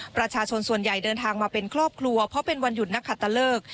ประชาชนส่วนใหญ่เดินทางมาเป็นครอบครัวเพราะเป็นวันหยุดนักขัตตะเลิก